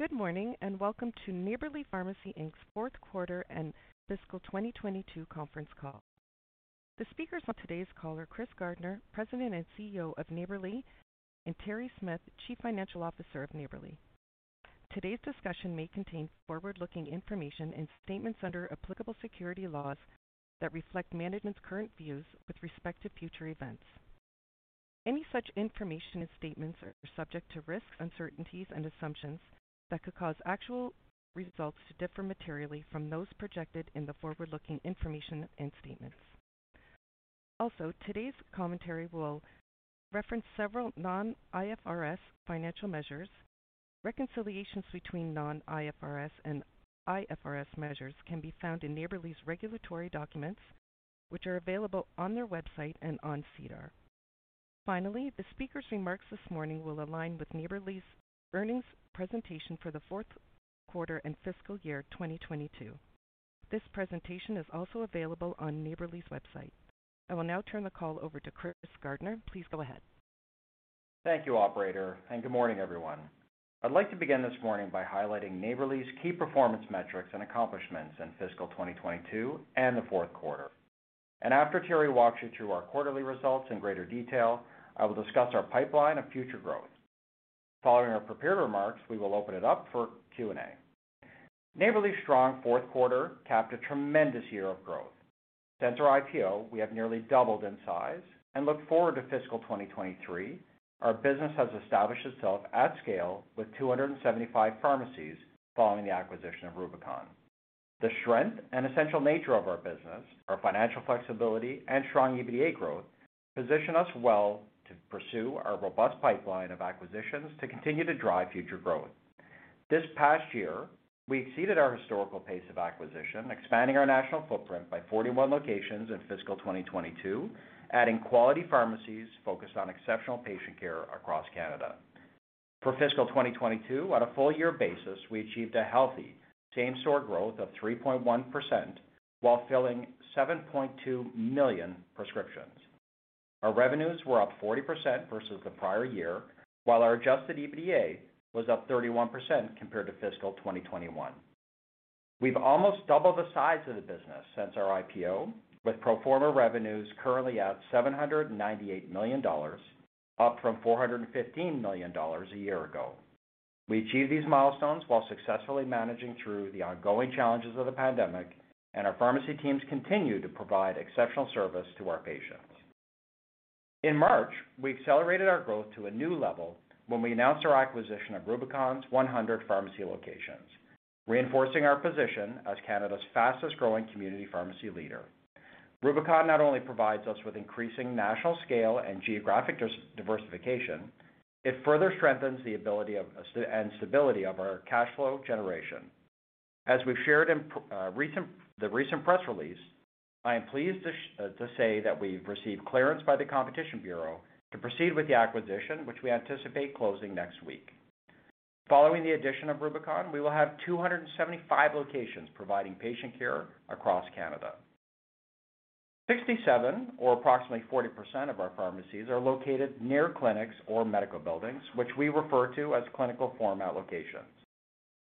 Good morning, and welcome to Neighbourly Pharmacy Inc.'s fourth quarter and fiscal 2022 conference call. The speakers on today's call are Chris Gardner, President and CEO of Neighbourly, and Terri Smyth, Chief Financial Officer of Neighbourly. Today's discussion may contain forward-looking information and statements under applicable securities laws that reflect management's current views with respect to future events. Any such information and statements are subject to risks, uncertainties and assumptions that could cause actual results to differ materially from those projected in the forward-looking information and statements. Also, today's commentary will reference several non-IFRS financial measures. Reconciliations between non-IFRS and IFRS measures can be found in Neighbourly's regulatory documents, which are available on their website and on SEDAR. Finally, the speakers' remarks this morning will align with Neighbourly's earnings presentation for the fourth quarter and fiscal year 2022. This presentation is also available on Neighbourly's website. I will now turn the call over to Chris Gardner. Please go ahead. Thank you, operator, and good morning, everyone. I'd like to begin this morning by highlighting Neighbourly's key performance metrics and accomplishments in fiscal 2022 and the fourth quarter. After Terri walks you through our quarterly results in greater detail, I will discuss our pipeline of future growth. Following our prepared remarks, we will open it up for Q&A. Neighbourly's strong fourth quarter capped a tremendous year of growth. Since our IPO, we have nearly doubled in size and look forward to fiscal 2023. Our business has established itself at scale with 275 pharmacies following the acquisition of Rubicon. The strength and essential nature of our business, our financial flexibility and strong EBITDA growth position us well to pursue our robust pipeline of acquisitions to continue to drive future growth. This past year, we exceeded our historical pace of acquisition, expanding our national footprint by 41 locations in fiscal 2022, adding quality pharmacies focused on exceptional patient care across Canada. For fiscal 2022, on a full year basis, we achieved a healthy same-store growth of 3.1% while filling 7.2 million prescriptions. Our revenues were up 40% versus the prior year, while our adjusted EBITDA was up 31% compared to fiscal 2021. We've almost doubled the size of the business since our IPO, with pro forma revenues currently at 798 million dollars, up from 415 million dollars a year ago. We achieved these milestones while successfully managing through the ongoing challenges of the pandemic, and our pharmacy teams continue to provide exceptional service to our patients. In March, we accelerated our growth to a new level when we announced our acquisition of Rubicon's 100 pharmacy locations, reinforcing our position as Canada's fastest-growing community pharmacy leader. Rubicon not only provides us with increasing national scale and geographic diversification, it further strengthens the ability and stability of our cash flow generation. As we've shared in the recent press release, I am pleased to say that we've received clearance by the Competition Bureau to proceed with the acquisition, which we anticipate closing next week. Following the addition of Rubicon, we will have 275 locations providing patient care across Canada. 67 or approximately 40% of our pharmacies are located near clinics or medical buildings, which we refer to as clinical format locations.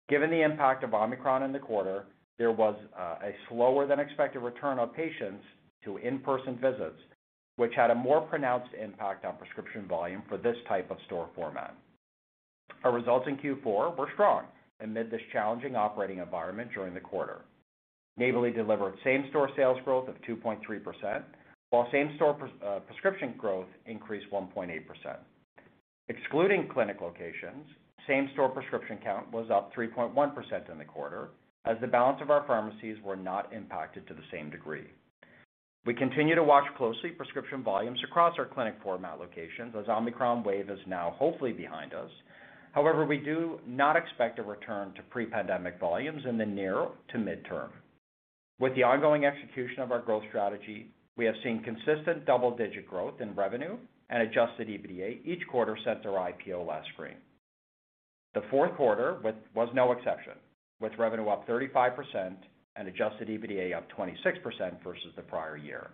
Given the impact of Omicron in the quarter, there was a slower than expected return of patients to in-person visits, which had a more pronounced impact on prescription volume for this type of store format. Our results in Q4 were strong amid this challenging operating environment during the quarter. Neighbourly delivered same-store sales growth of 2.3%, while same store prescription growth increased 1.8%. Excluding clinic locations, same-store prescription count was up 3.1% in the quarter as the balance of our pharmacies were not impacted to the same degree. We continue to watch closely prescription volumes across our clinic format locations as Omicron wave is now hopefully behind us. However, we do not expect a return to pre-pandemic volumes in the near to midterm. With the ongoing execution of our growth strategy, we have seen consistent double-digit growth in revenue and adjusted EBITDA each quarter since our IPO last spring. The fourth quarter was no exception, with revenue up 35% and adjusted EBITDA up 26% versus the prior year.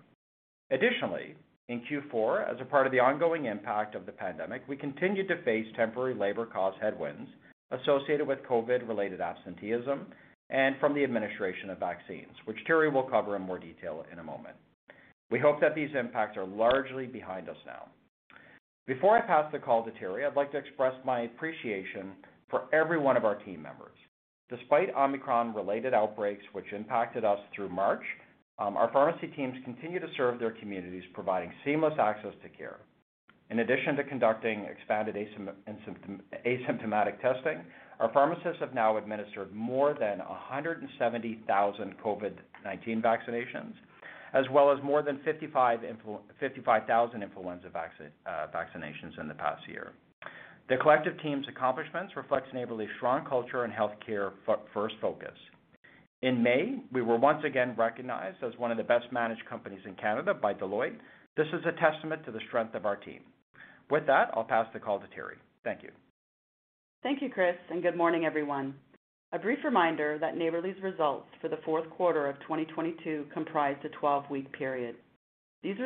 Additionally, in Q4, as a part of the ongoing impact of the pandemic, we continued to face temporary labor cost headwinds associated with COVID-related absenteeism and from the administration of vaccines, which Terri will cover in more detail in a moment. We hope that these impacts are largely behind us now. Before I pass the call to Terri, I'd like to express my appreciation for every one of our team members. Despite Omicron-related outbreaks, which impacted us through March, our pharmacy teams continue to serve their communities, providing seamless access to care. In addition to conducting expanded asymptomatic testing, our pharmacists have now administered more than 170,000 COVID-19 vaccinations, as well as more than 55,000 influenza vaccinations in the past year. The collective team's accomplishments reflects Neighbourly's strong culture and healthcare first focus. In May, we were once again recognized as one of the best managed companies in Canada by Deloitte. This is a testament to the strength of our team. With that, I'll pass the call to Terri. Thank you. Thank you, Chris, and good morning, everyone. A brief reminder that Neighbourly's results for the fourth quarter of 2022 comprise a 12-week period. These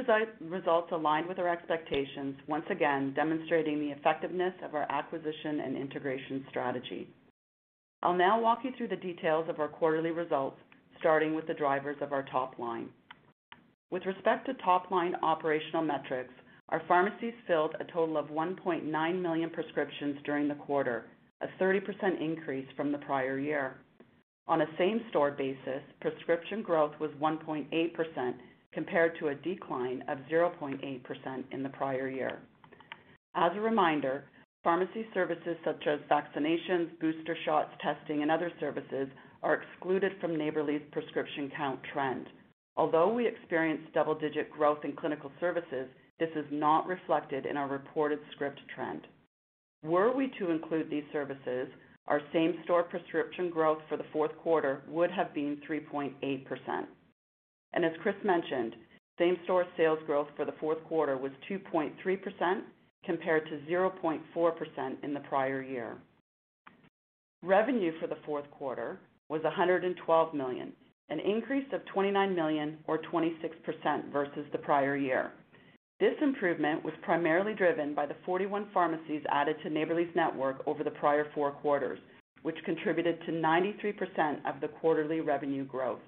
results align with our expectations, once again demonstrating the effectiveness of our acquisition and integration strategy. I'll now walk you through the details of our quarterly results, starting with the drivers of our top line. With respect to top-line operational metrics, our pharmacies filled a total of 1.9 million prescriptions during the quarter, a 30% increase from the prior year. On a same-store basis, prescription growth was 1.8% compared to a decline of 0.8% in the prior year. As a reminder, pharmacy services such as vaccinations, booster shots, testing, and other services are excluded from Neighbourly's prescription count trend. Although we experienced double-digit growth in clinical services, this is not reflected in our reported script trend. Were we to include these services, our same-store prescription growth for the fourth quarter would have been 3.8%. As Chris mentioned, same-store sales growth for the fourth quarter was 2.3% compared to 0.4% in the prior year. Revenue for the fourth quarter was 112 million, an increase of 29 million or 26% versus the prior year. This improvement was primarily driven by the 41 pharmacies added to Neighbourly's network over the prior four quarters, which contributed to 93% of the quarterly revenue growth.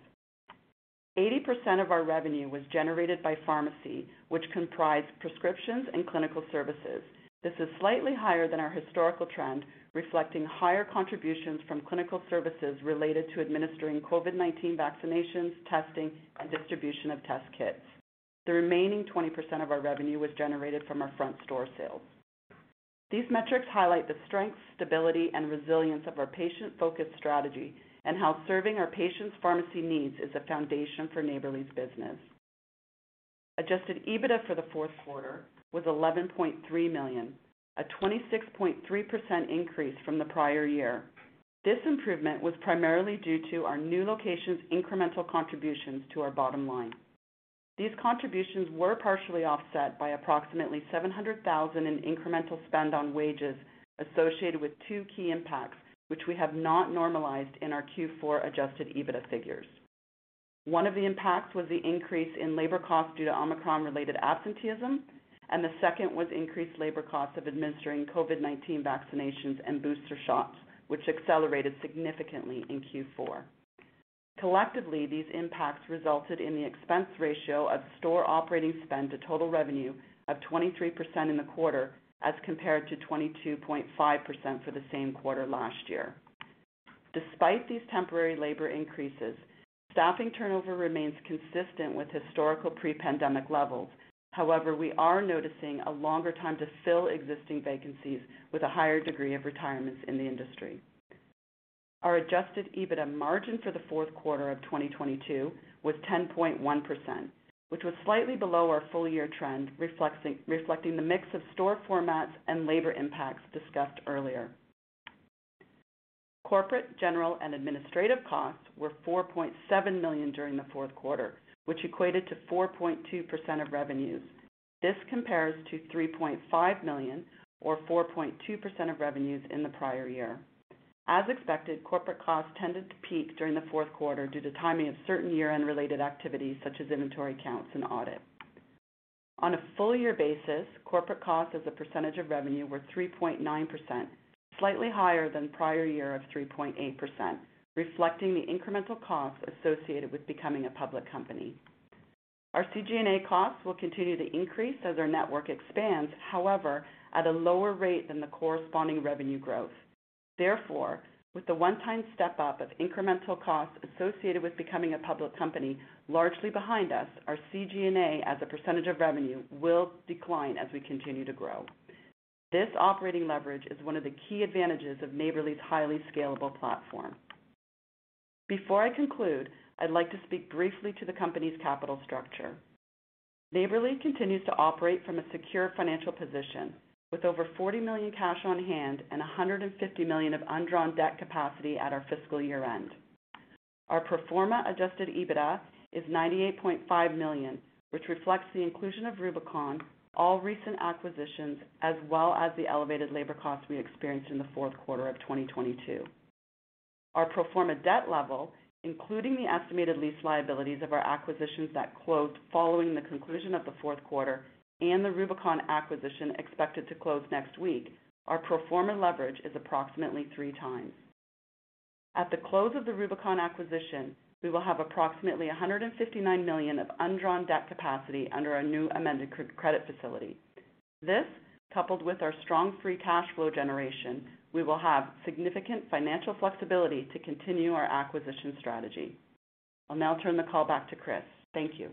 80% of our revenue was generated by pharmacy, which comprise prescriptions and clinical services. This is slightly higher than our historical trend, reflecting higher contributions from clinical services related to administering COVID-19 vaccinations, testing, and distribution of test kits. The remaining 20% of our revenue was generated from our front store sales. These metrics highlight the strength, stability, and resilience of our patient-focused strategy and how serving our patients' pharmacy needs is a foundation for Neighbourly's business. Adjusted EBITDA for the fourth quarter was 11.3 million, a 26.3% increase from the prior year. This improvement was primarily due to our new locations incremental contributions to our bottom line. These contributions were partially offset by approximately 700,000 in incremental spend on wages associated with two key impacts, which we have not normalized in our Q4 adjusted EBITDA figures. One of the impacts was the increase in labor costs due to Omicron-related absenteeism, and the second was increased labor costs of administering COVID-19 vaccinations and booster shots, which accelerated significantly in Q4. Collectively, these impacts resulted in the expense ratio of store operating spend to total revenue of 23% in the quarter as compared to 22.5% for the same quarter last year. Despite these temporary labor increases, staffing turnover remains consistent with historical pre-pandemic levels. However, we are noticing a longer time to fill existing vacancies with a higher degree of retirements in the industry. Our adjusted EBITDA margin for the fourth quarter of 2022 was 10.1%, which was slightly below our full-year trend, reflecting the mix of store formats and labor impacts discussed earlier. Corporate, general, and administrative costs were 4.7 million during the fourth quarter, which equated to 4.2% of revenues. This compares to 3.5 million or 4.2% of revenues in the prior year. As expected, corporate costs tended to peak during the fourth quarter due to timing of certain year-end related activities such as inventory counts and audit. On a full year basis, corporate costs as a percentage of revenue were 3.9%, slightly higher than prior year of 3.8%, reflecting the incremental costs associated with becoming a public company. Our G&A costs will continue to increase as our network expands, however, at a lower rate than the corresponding revenue growth. Therefore, with the one-time step-up of incremental costs associated with becoming a public company largely behind us, our G&A as a percentage of revenue will decline as we continue to grow. This operating leverage is one of the key advantages of Neighbourly's highly scalable platform. Before I conclude, I'd like to speak briefly to the company's capital structure. Neighbourly continues to operate from a secure financial position with over 40 million cash on hand and 150 million of undrawn debt capacity at our fiscal year-end. Our pro forma adjusted EBITDA is 98.5 million, which reflects the inclusion of Rubicon, all recent acquisitions, as well as the elevated labor costs we experienced in the fourth quarter of 2022. Our pro forma debt level, including the estimated lease liabilities of our acquisitions that closed following the conclusion of the fourth quarter and the Rubicon acquisition expected to close next week, our pro forma leverage is approximately 3x. At the close of the Rubicon acquisition, we will have approximately 159 million of undrawn debt capacity under our new amended credit facility. This, coupled with our strong free cash flow generation, we will have significant financial flexibility to continue our acquisition strategy. I'll now turn the call back to Chris. Thank you.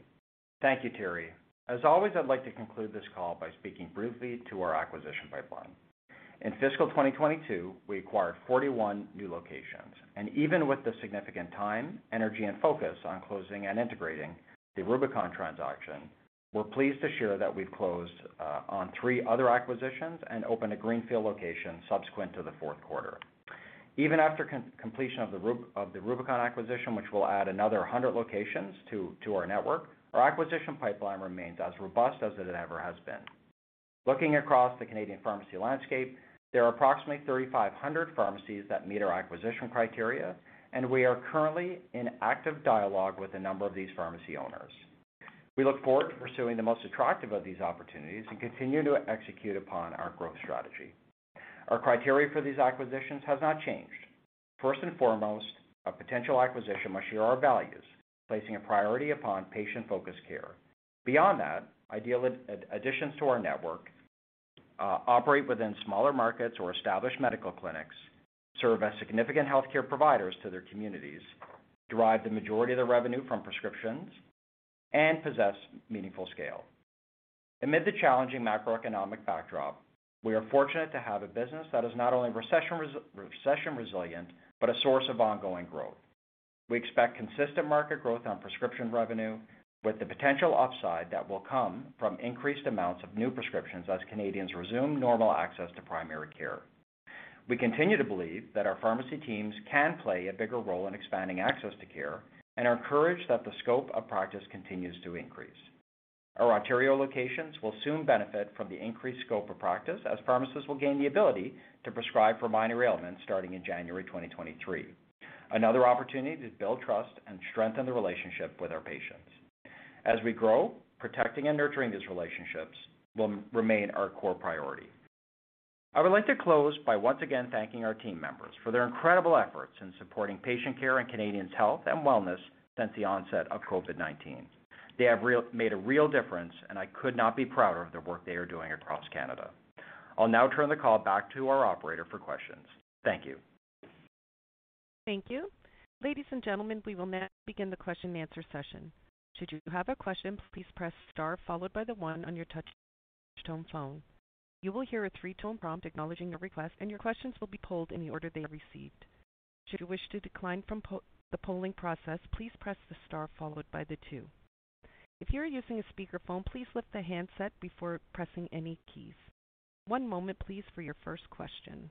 Thank you, Terri. As always, I'd like to conclude this call by speaking briefly to our acquisition pipeline. In fiscal 2022, we acquired 41 new locations. Even with the significant time, energy, and focus on closing and integrating the Rubicon transaction, we're pleased to share that we've closed on 3 other acquisitions and opened a greenfield location subsequent to the fourth quarter. Even after completion of the Rubicon acquisition, which will add another 100 locations to our network, our acquisition pipeline remains as robust as it ever has been. Looking across the Canadian pharmacy landscape, there are approximately 3,500 pharmacies that meet our acquisition criteria, and we are currently in active dialogue with a number of these pharmacy owners. We look forward to pursuing the most attractive of these opportunities and continue to execute upon our growth strategy. Our criteria for these acquisitions has not changed. First and foremost, a potential acquisition must share our values, placing a priority upon patient-focused care. Beyond that, ideal additions to our network operate within smaller markets or established medical clinics, serve as significant healthcare providers to their communities, derive the majority of their revenue from prescriptions, and possess meaningful scale. Amid the challenging macroeconomic backdrop, we are fortunate to have a business that is not only recession resilient, but a source of ongoing growth. We expect consistent market growth on prescription revenue, with the potential upside that will come from increased amounts of new prescriptions as Canadians resume normal access to primary care. We continue to believe that our pharmacy teams can play a bigger role in expanding access to care and are encouraged that the scope of practice continues to increase. Our Ontario locations will soon benefit from the increased scope of practice as pharmacists will gain the ability to prescribe for minor ailments starting in January 2023. Another opportunity to build trust and strengthen the relationship with our patients. As we grow, protecting and nurturing these relationships will remain our core priority. I would like to close by once again thanking our team members for their incredible efforts in supporting patient care and Canadians' health and wellness since the onset of COVID-19. They have made a real difference, and I could not be prouder of the work they are doing across Canada. I'll now turn the call back to our operator for questions. Thank you. Thank you. Ladies and gentlemen, we will now begin the question and answer session. Should you have a question, please press star followed by the one on your touch tone phone. You will hear a three-tone prompt acknowledging your request, and your questions will be polled in the order they are received. Should you wish to decline from the polling process, please press the star followed by the two. If you are using a speakerphone, please lift the handset before pressing any keys. One moment please for your first question.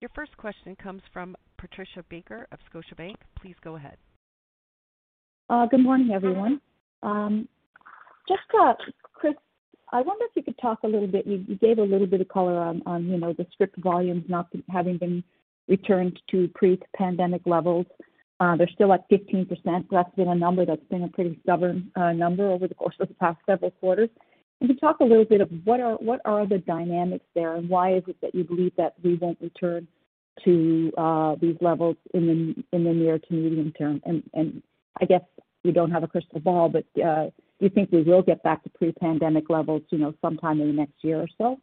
Your first question comes from Patricia Baker of Scotiabank. Please go ahead. Good morning, everyone. Just, Chris, I wonder if you could talk a little bit. You gave a little bit of color on, you know, the script volumes not having been returned to pre-pandemic levels. They're still at 15%. That's been a number that's been a pretty stubborn number over the course of the past several quarters. Can you talk a little bit of what are the dynamics there, and why is it that you believe that we won't return to these levels in the near to medium term? I guess you don't have a crystal ball, but do you think we will get back to pre-pandemic levels, you know, sometime in the next year or so?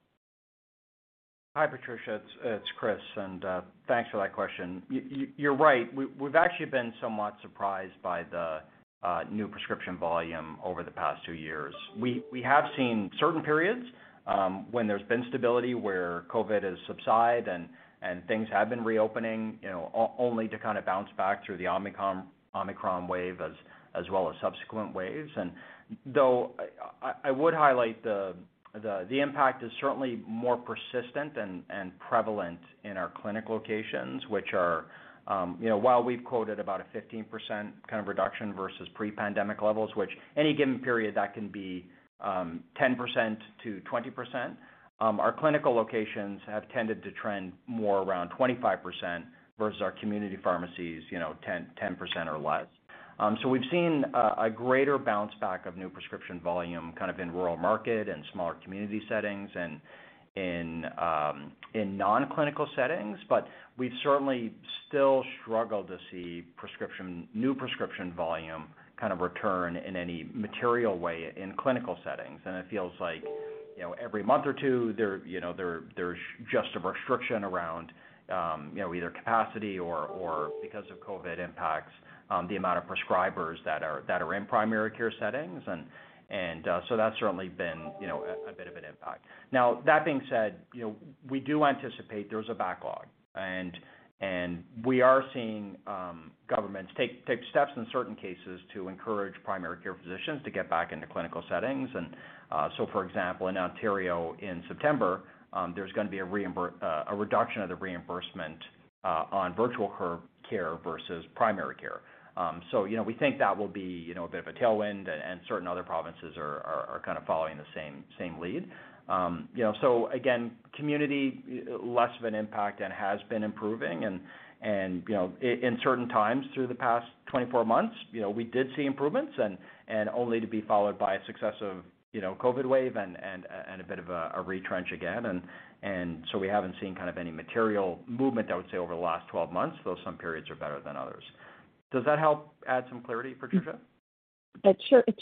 Hi, Patricia, it's Chris, and thanks for that question. You're right. We've actually been somewhat surprised by the new prescription volume over the past two years. We have seen certain periods when there's been stability, where COVID has subsided and things have been reopening, you know, only to kind of bounce back through the Omicron wave as well as subsequent waves. Though I would highlight the impact is certainly more persistent and prevalent in our clinic locations, which are, you know, while we've quoted about a 15% kind of reduction versus pre-pandemic levels, which any given period, that can be 10%-20%. Our clinical locations have tended to trend more around 25% versus our community pharmacies, you know, 10% or less. We've seen a greater bounce back of new prescription volume kind of in rural market and smaller community settings and in non-clinical settings. We've certainly still struggled to see prescription, new prescription volume kind of return in any material way in clinical settings. It feels like, you know, every month or two, you know, there's just a restriction around, you know, either capacity or because of COVID impacts, the amount of prescribers that are in primary care settings. That's certainly been, you know, a bit of an impact. Now, that being said, you know, we do anticipate there's a backlog and we are seeing governments take steps in certain cases to encourage primary care physicians to get back into clinical settings. For example, in Ontario in September, there's gonna be a reduction of the reimbursement on virtual care versus primary care. You know, we think that will be, you know, a bit of a tailwind and certain other provinces are kind of following the same lead. You know, again, community less of an impact and has been improving and, you know, in certain times through the past 24 months, you know, we did see improvements and only to be followed by a successive, you know, COVID wave and a bit of a retrench again. We haven't seen kind of any material movement, I would say, over the last 12 months, though some periods are better than others. Does that help add some clarity, Patricia? It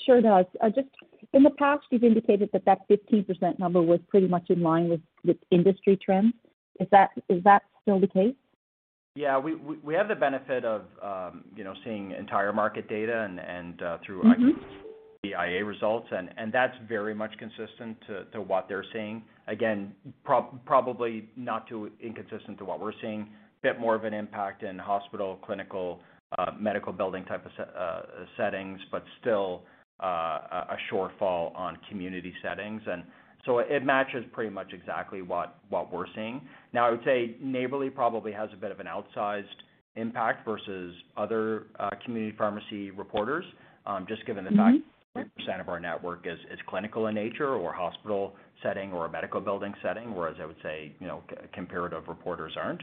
sure does. Just in the past, you've indicated that 15% number was pretty much in line with industry trends. Is that still the case? Yeah. We have the benefit of, you know, seeing entire market data and through our. Mm-hmm. IQVIA results, and that's very much consistent to what they're seeing. Again, probably not too inconsistent to what we're seeing. A bit more of an impact in hospital, clinical, medical building type of settings, but still, Shortfall on community settings. It matches pretty much exactly what we're seeing. Now, I would say Neighbourly probably has a bit of an outsized impact versus other, community pharmacy reporters, just given the fact. Mm-hmm. Percent of our network is clinical in nature or hospital setting or a medical building setting, whereas I would say, you know, competitors aren't.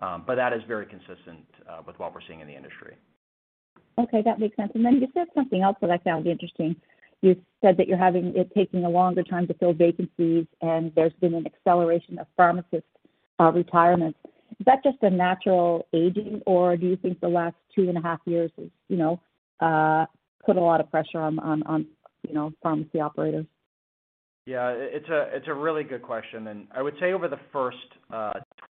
That is very consistent with what we're seeing in the industry. Okay, that makes sense. You said something else that I found interesting. You said that you're having it taking a longer time to fill vacancies and there's been an acceleration of pharmacist retirement. Is that just a natural aging, or do you think the last 2.5 years has, you know, put a lot of pressure on, you know, pharmacy operators? Yeah, it's a really good question. I would say over the first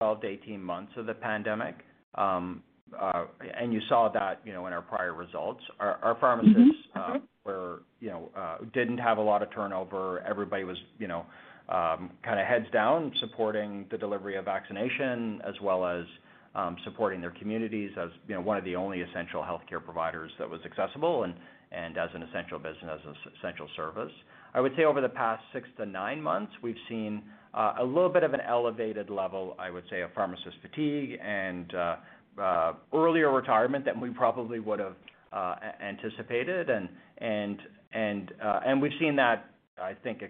12-18 months of the pandemic, and you saw that, you know, in our prior results, our pharmacists. Mm-hmm. Mm-hmm. We were, you know, didn't have a lot of turnover. Everybody was, you know, kinda heads down, supporting the delivery of vaccination as well as supporting their communities as, you know, one of the only essential healthcare providers that was accessible and as an essential business, as essential service. I would say over the past six to nine months, we've seen a little bit of an elevated level, I would say, of pharmacist fatigue and earlier retirement than we probably would've anticipated. We've seen that, I think,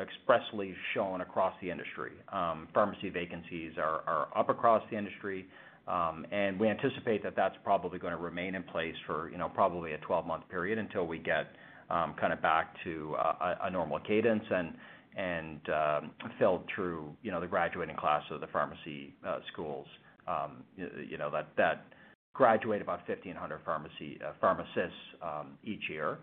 expressly shown across the industry. Pharmacy vacancies are up across the industry, and we anticipate that that's probably gonna remain in place for, you know, probably a 12-month period until we get kinda back to a normal cadence and filled through, you know, the graduating class of the pharmacy schools, you know, that graduate about 1,500 pharmacists each year.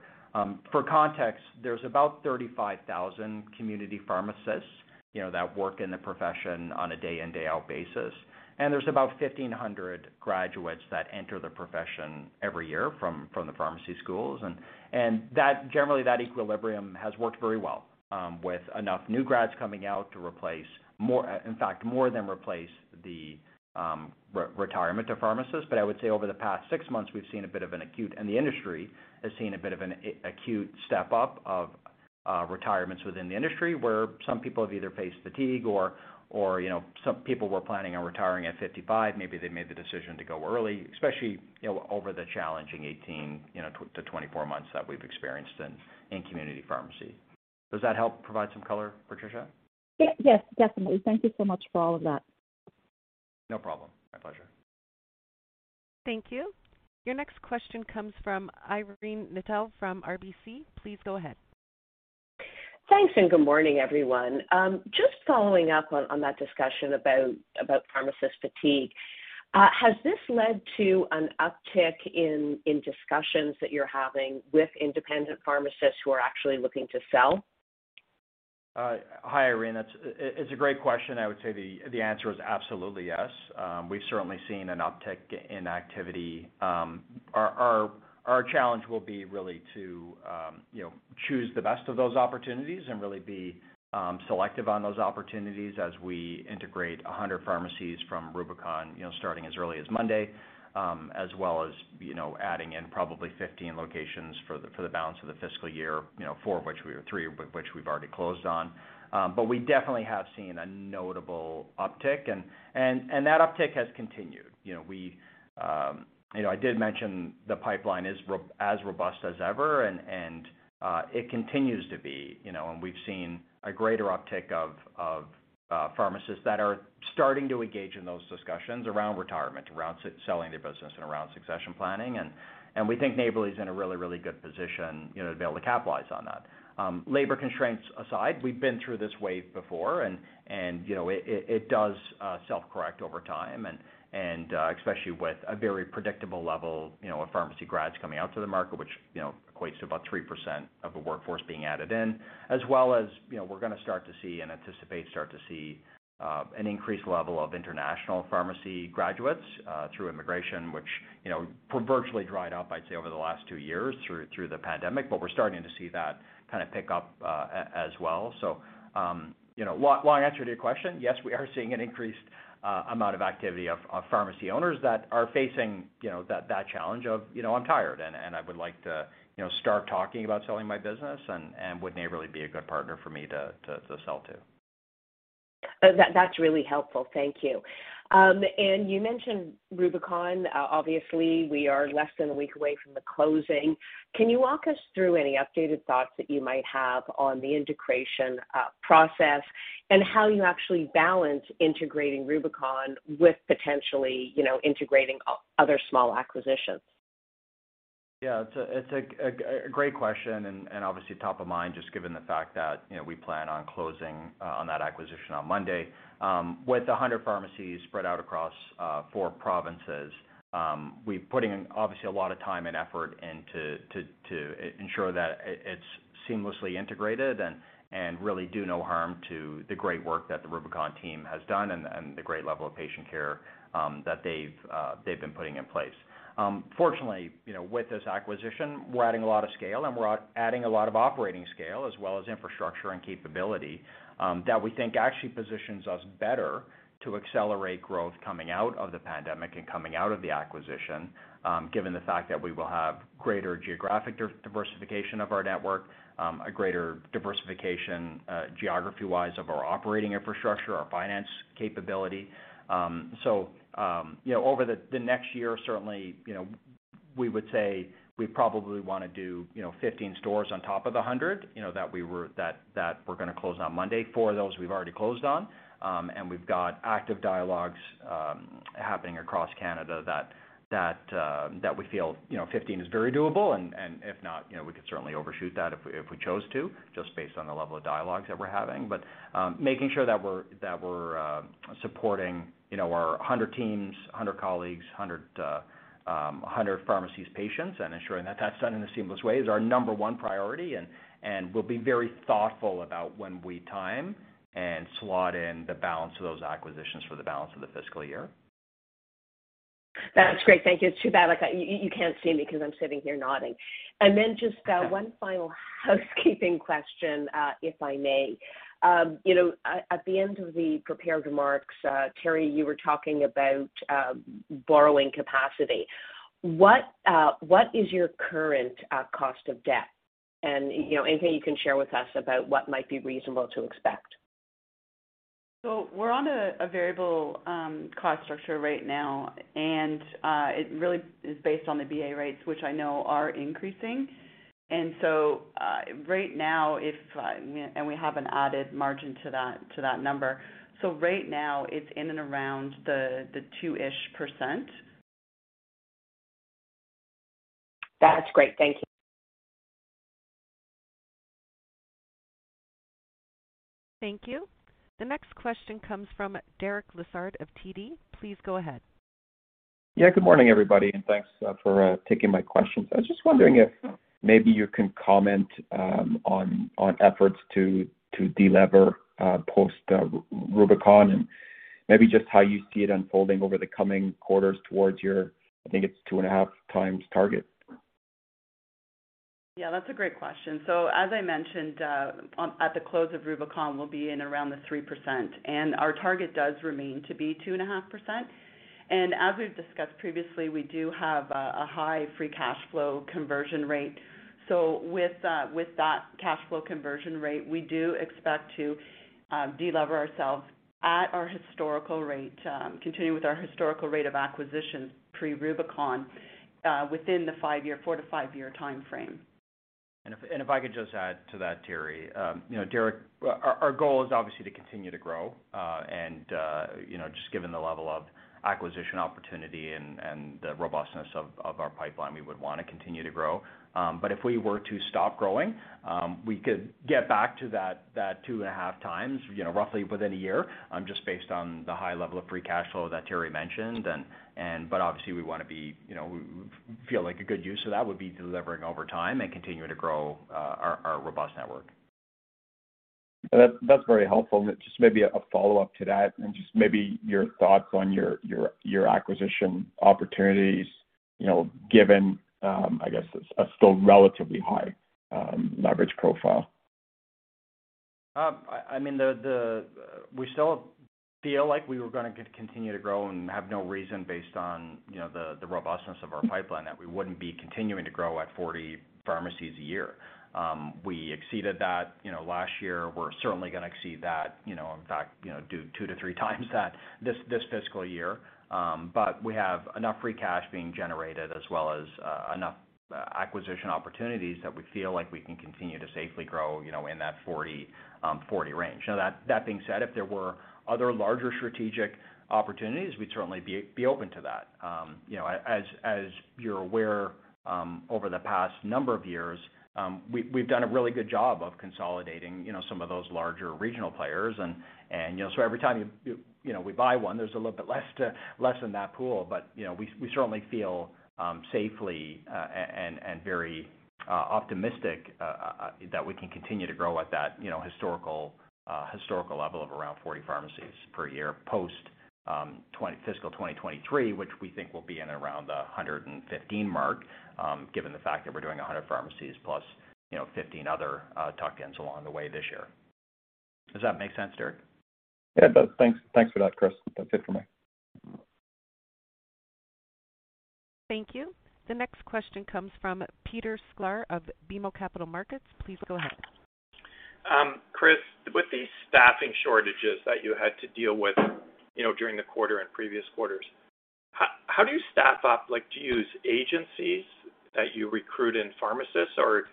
For context, there's about 35,000 community pharmacists, you know, that work in the profession on a day in, day out basis. There's about 1,500 graduates that enter the profession every year from the pharmacy schools. That, generally, that equilibrium has worked very well, with enough new grads coming out to replace more—in fact, more than replace the retirement of pharmacists. I would say over the past six months, we've seen a bit of an acute, and the industry has seen a bit of an acute step-up of retirements within the industry, where some people have either faced fatigue or, you know, some people were planning on retiring at 55. Maybe they made the decision to go early, especially, you know, over the challenging 18-24 months that we've experienced in community pharmacy. Does that help provide some color, Patricia? Yes, definitely. Thank you so much for all of that. No problem. My pleasure. Thank you. Your next question comes from Irene Nattel from RBC. Please go ahead. Thanks, good morning, everyone. Just following up on that discussion about pharmacist fatigue. Has this led to an uptick in discussions that you're having with independent pharmacists who are actually looking to sell? Hi, Irene. That's a great question. I would say the answer is absolutely yes. We've certainly seen an uptick in activity. Our challenge will be really to you know, choose the best of those opportunities and really be selective on those opportunities as we integrate 100 pharmacies from Rubicon Pharmacies you know, starting as early as Monday, as well as you know, adding in probably 15 locations for the balance of the fiscal year, you know, four of which we or three which we've already closed on. We definitely have seen a notable uptick, and that uptick has continued. You know, we you know, I did mention the pipeline is as robust as ever, and it continues to be, you know. We've seen a greater uptick of pharmacists that are starting to engage in those discussions around retirement, around selling their business and around succession planning. We think Neighbourly's in a really good position, you know, to be able to capitalize on that. Labor constraints aside, we've been through this wave before, and you know, it does self-correct over time and especially with a very predictable level, you know, of pharmacy grads coming out to the market, which, you know, equates to about 3% of the workforce being added in. As well as, you know, we're gonna start to see and anticipate an increased level of international pharmacy graduates through immigration, which, you know, virtually dried up, I'd say, over the last two years through the pandemic. We're starting to see that kinda pick up, as well. You know, long answer to your question, yes, we are seeing an increased amount of activity of pharmacy owners that are facing, you know, that challenge of, you know, "I'm tired and I would like to, you know, start talking about selling my business, and would Neighbourly be a good partner for me to sell to? That's really helpful. Thank you. You mentioned Rubicon. Obviously, we are less than a week away from the closing. Can you walk us through any updated thoughts that you might have on the integration process and how you actually balance integrating Rubicon with potentially, you know, integrating other small acquisitions? Yeah, it's a great question and obviously top of mind just given the fact that, you know, we plan on closing on that acquisition on Monday. With 100 pharmacies spread out across four provinces, we're putting in, obviously, a lot of time and effort into ensuring that it's seamlessly integrated and really do no harm to the great work that the Rubicon team has done and the great level of patient care that they've been putting in place. Fortunately, you know, with this acquisition, we're adding a lot of scale, and we're adding a lot of operating scale, as well as infrastructure and capability, that we think actually positions us better to accelerate growth coming out of the pandemic and coming out of the acquisition, given the fact that we will have greater geographic diversification of our network, a greater diversification, geography-wise of our operating infrastructure, our finance capability. So, you know, over the next year, certainly, you know, we would say we probably wanna do, you know, 15 stores on top of the 100, you know, that we're gonna close on Monday. Four of those we've already closed on, and we've got active dialogues happening across Canada that we feel, you know, 15 is very doable, and if not, you know, we could certainly overshoot that if we chose to, just based on the level of dialogues that we're having. Making sure that we're supporting, you know, our 100 teams, 100 colleagues, 100 pharmacies' patients and ensuring that that's done in a seamless way is our number one priority. We'll be very thoughtful about when we time and slot in the balance of those acquisitions for the balance of the fiscal year. That's great. Thank you. It's too bad, like, you can't see me because I'm sitting here nodding. Then just one final housekeeping question, if I may. You know, at the end of the prepared remarks, Terri, you were talking about borrowing capacity. What is your current cost of debt? You know, anything you can share with us about what might be reasonable to expect. We're on a variable cost structure right now, and it really is based on the BA rates, which I know are increasing. Right now, you know, we have an added margin to that number. It's in and around the 2-ish%. That's great. Thank you. Thank you. The next question comes from Derek Lessard of TD. Please go ahead. Yeah, good morning, everybody, and thanks for taking my questions. I was just wondering if maybe you can comment on efforts to delever post Rubicon and maybe just how you see it unfolding over the coming quarters towards your, I think it's 2.5x target. Yeah, that's a great question. As I mentioned, at the close of Rubicon, we'll be in around the 3%, and our target does remain to be 2.5%. As we've discussed previously, we do have a high free cash flow conversion rate. With that cash flow conversion rate, we do expect to delever ourselves at our historical rate, continuing with our historical rate of acquisitions pre-Rubicon, within the four to five-year timeframe. If I could just add to that, Terri. You know, Derek, our goal is obviously to continue to grow, and you know, just given the level of acquisition opportunity and the robustness of our pipeline, we would wanna continue to grow. But if we were to stop growing, we could get back to that 2.5x, you know, roughly within a year, just based on the high level of free cash flow that Terri mentioned. But obviously we wanna feel like a good use of that would be delivering over time and continuing to grow our robust network. That's very helpful. Just maybe a follow-up to that and just maybe your thoughts on your acquisition opportunities, you know, given, I guess a still relatively high leverage profile. I mean, we still feel like we were gonna continue to grow and have no reason based on, you know, the robustness of our pipeline that we wouldn't be continuing to grow at 40 pharmacies a year. We exceeded that, you know, last year. We're certainly gonna exceed that, you know, in fact, you know, do 2x-3x that this fiscal year. We have enough free cash being generated as well as enough acquisition opportunities that we feel like we can continue to safely grow, you know, in that 40 range. Now that being said, if there were other larger strategic opportunities, we'd certainly be open to that. You know, as you're aware, over the past number of years, we've done a really good job of consolidating, you know, some of those larger regional players and, you know, so every time you know, we buy one, there's a little bit less in that pool. You know, we certainly feel safely and very optimistic that we can continue to grow at that, you know, historical level of around 40 pharmacies per year post fiscal 2023, which we think will be around the 115 mark, given the fact that we're doing 100 pharmacies plus 15 other tuck-ins along the way this year. Does that make sense, Derek? Yeah, it does. Thanks for that, Chris. That's it for me. Thank you. The next question comes from Peter Sklar of BMO Capital Markets. Please go ahead. Chris, with these staffing shortages that you had to deal with, you know, during the quarter and previous quarters, how do you staff up? Like, do you use agencies to recruit pharmacists, or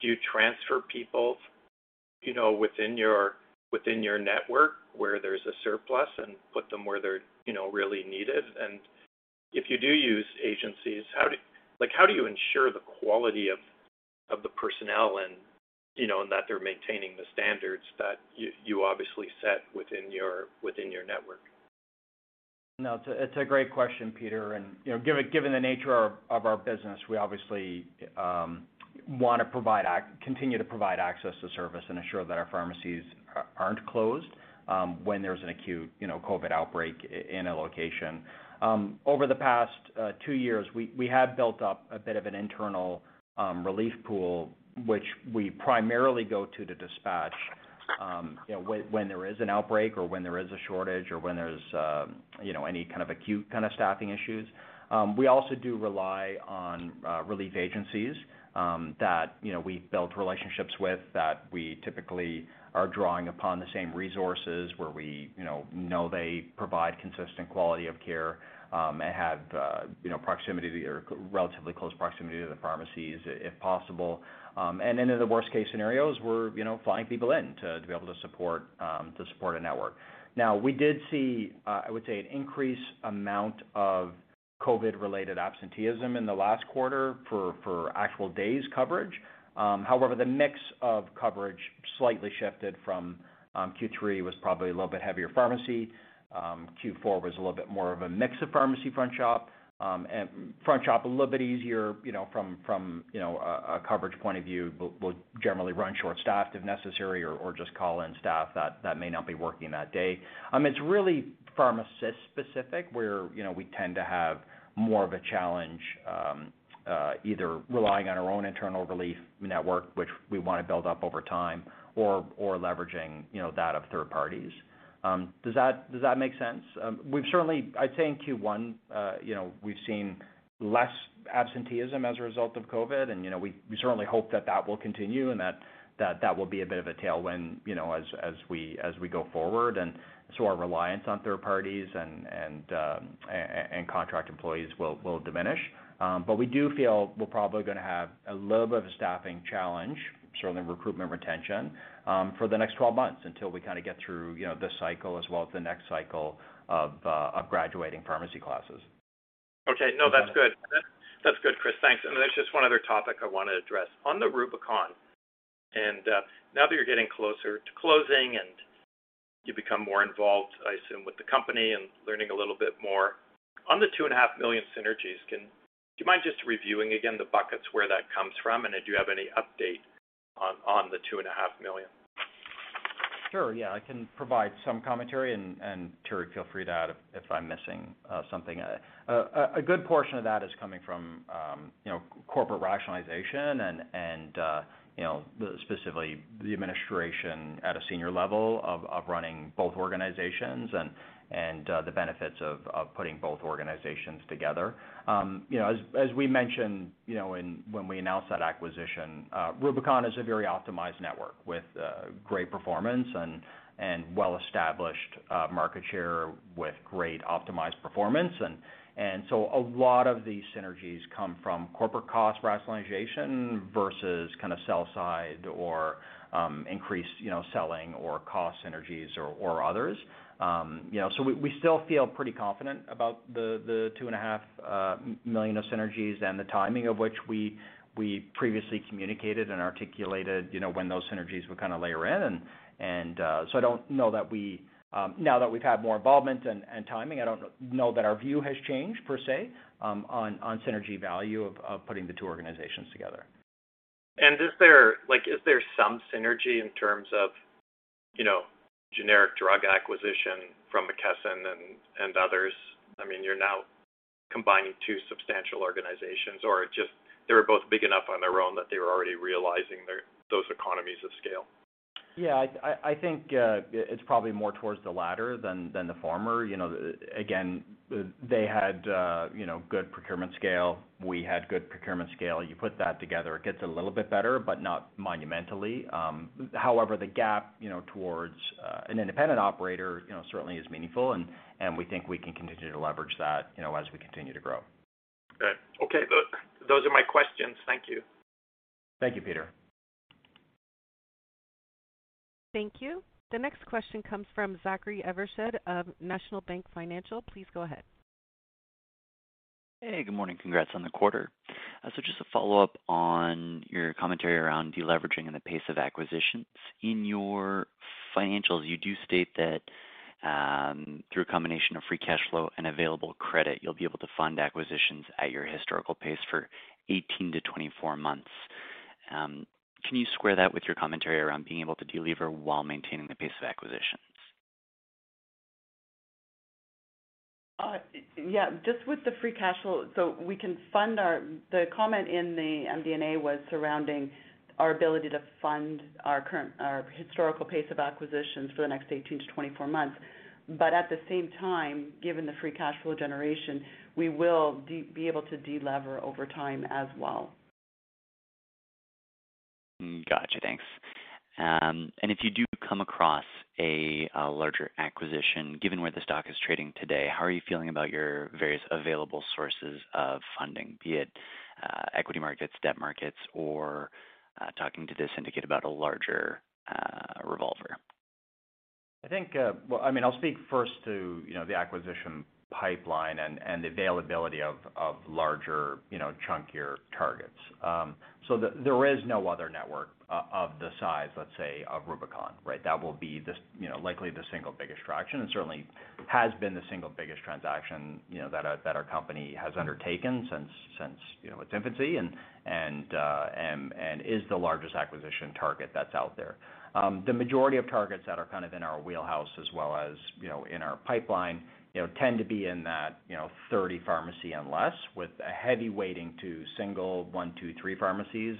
do you transfer people, you know, within your network where there's a surplus and put them where they're, you know, really needed? If you do use agencies, how do you ensure the quality of the personnel and, you know, that they're maintaining the standards that you obviously set within your network? No, it's a great question, Peter. You know, given the nature of our business, we obviously wanna continue to provide access to service and ensure that our pharmacies aren't closed, when there's an acute, you know, COVID outbreak in a location. Over the past two years, we have built up a bit of an internal relief pool, which we primarily go to dispatch, you know, when there is an outbreak or when there is a shortage or when there's, you know, any kind of acute staffing issues. We also do rely on relief agencies, that, you know, we build relationships with, that we typically are drawing upon the same resources where we, you know they provide consistent quality of care, and have, you know, proximity to or relatively close proximity to the pharmacies if possible. In the worst case scenarios, we're, you know, flying people in to be able to support a network. Now, we did see, I would say an increased amount of COVID-related absenteeism in the last quarter for actual days coverage. However, the mix of coverage slightly shifted from, Q3 was probably a little bit heavier pharmacy. Q4 was a little bit more of a mix of pharmacy front shop, and front shop a little bit easier, you know, from a coverage point of view. We'll generally run short-staffed if necessary or just call in staff that may not be working that day. It's really pharmacist specific, where, you know, we tend to have more of a challenge, either relying on our own internal relief network, which we wanna build up over time or leveraging, you know, that of third parties. Does that make sense? We've certainly, I'd say in Q1, you know, we've seen less absenteeism as a result of COVID and, you know, we certainly hope that will continue and that will be a bit of a tailwind, you know, as we go forward. Our reliance on third parties and contract employees will diminish. But we do feel we're probably gonna have a little bit of a staffing challenge, certainly recruitment retention, for the next 12 months until we kinda get through, you know, this cycle as well as the next cycle of graduating pharmacy classes. Okay. No, that's good. That's good, Chris. Thanks. There's just one other topic I want to address. On the Rubicon Pharmacies, now that you're getting closer to closing and you become more involved, I assume, with the company and learning a little bit more, on the 2.5 million synergies, do you mind just reviewing again the buckets where that comes from, and then do you have any update on the 2.5 million? Sure. Yeah. I can provide some commentary and Terri, feel free to add if I'm missing something. A good portion of that is coming from you know, corporate rationalization and you know, the specific administration at a senior level of running both organizations and the benefits of putting both organizations together. You know, as we mentioned, when we announced that acquisition, Rubicon is a very optimized network with great performance and well-established market share with great optimized performance. A lot of these synergies come from corporate cost rationalization versus kind of sell side or increased you know, selling or cost synergies or others. You know, we still feel pretty confident about the 2.5 million of synergies and the timing of which we previously communicated and articulated, you know, when those synergies would kind of layer in. I don't know that, now that we've had more involvement and timing, our view has changed per se on synergy value of putting the two organizations together. Is there like, is there some synergy in terms of, you know, generic drug acquisition from McKesson and others? I mean, you're now combining two substantial organizations, or just they were both big enough on their own that they were already realizing their, those economies of scale. Yeah. I think it's probably more towards the latter than the former. You know, again, they had you know good procurement scale. We had good procurement scale. You put that together, it gets a little bit better, but not monumentally. However, the gap you know towards an independent operator you know certainly is meaningful, and we think we can continue to leverage that you know as we continue to grow. Good. Okay. Those are my questions. Thank you. Thank you, Peter. Thank you. The next question comes from Zachary Evershed of National Bank Financial. Please go ahead. Hey. Good morning. Congrats on the quarter. Just a follow-up on your commentary around deleveraging and the pace of acquisitions. In your financials, you do state that, through a combination of free cash flow and available credit, you'll be able to fund acquisitions at your historical pace for 18-24 months. Can you square that with your commentary around being able to delever while maintaining the pace of acquisitions? Just with the free cash flow. The comment in the MD&A was surrounding our ability to fund our historical pace of acquisitions for the next 18-24 months. At the same time, given the free cash flow generation, we will be able to delever over time as well. Gotcha. Thanks. If you do come across a larger acquisition, given where the stock is trading today, how are you feeling about your various available sources of funding, be it equity markets, debt markets, or talking to the syndicate about a larger revolver? I think, well, I mean, I'll speak first to, you know, the acquisition pipeline and the availability of larger, you know, chunkier targets. There is no other network of the size, let's say, of Rubicon, right? That will be the, you know, likely the single biggest transaction and certainly has been the single biggest transaction, you know, that our company has undertaken since, you know, its infancy and is the largest acquisition target that's out there. The majority of targets that are kind of in our wheelhouse as well as, you know, in our pipeline, you know, tend to be in that, you know, 30-pharmacy and less, with a heavy weighting to single 1-3 pharmacies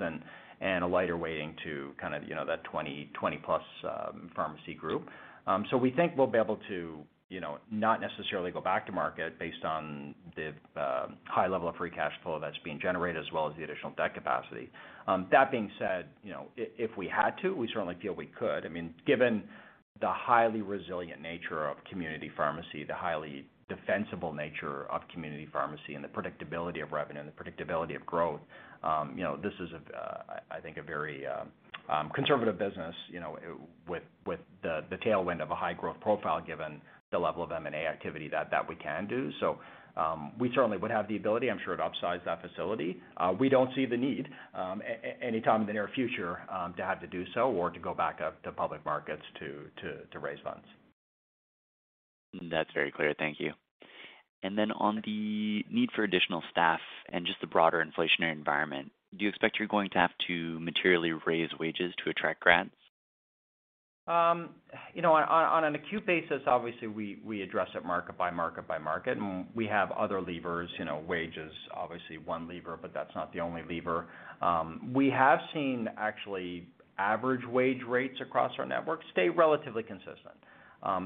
and a lighter weighting to kind of, you know, that 20-plus, pharmacy group. We think we'll be able to, you know, not necessarily go back to market based on the high level of free cash flow that's being generated as well as the additional debt capacity. That being said, you know, if we had to, we certainly feel we could. I mean, given the highly resilient nature of community pharmacy, the highly defensible nature of community pharmacy, and the predictability of revenue and the predictability of growth, you know, this is a, I think, a very conservative business, you know, with the tailwind of a high-growth profile, given the level of M&A activity that we can do. We certainly would have the ability, I'm sure, to upsize that facility. We don't see the need, anytime in the near future, to have to do so or to go back out to public markets to raise funds. That's very clear. Thank you. On the need for additional staff and just the broader inflationary environment, do you expect you're going to have to materially raise wages to attract talent? You know, on an acute basis, obviously, we address it market by market. We have other levers, you know, wage is obviously one lever, but that's not the only lever. We have seen actually average wage rates across our network stay relatively consistent.